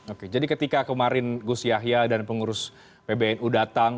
oke jadi ketika kemarin gus yahya dan pengurus pbnu datang